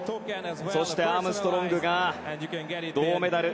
そして、アームストロングが銅メダル。